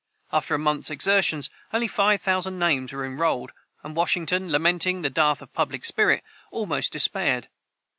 After a month's exertions, only five thousand names were enrolled; and Washington, lamenting the dearth of public spirit, almost despaired.